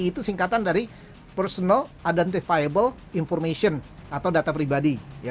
itu singkatan dari personal identifiable information atau data pribadi